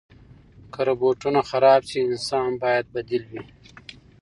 که روبوټونه خراب شي، انسان باید بدیل وي.